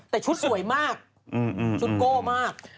แต่ชุดสวยมากชุดโก้มาก